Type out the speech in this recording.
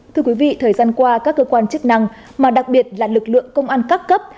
thưa quý vị thời gian qua các cơ quan chức năng mà đặc biệt là lực lượng công an các cấp